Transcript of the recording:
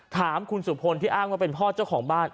ถามคุณสุพลที่อ้างว่าเป็นพ่อเจ้าของบ้าน